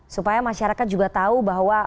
supaya masyarakat juga tahu bahwa